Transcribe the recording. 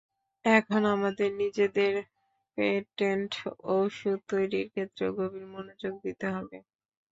এখন আমাদের নিজেদের পেটেন্ট ওষুধ তৈরির ক্ষেত্রেও গভীর মনোযোগ দিতে হবে।